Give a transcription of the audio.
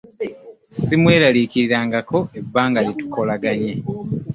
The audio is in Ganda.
Ssimweraliikirirangako ebbanga lye tukolaganye.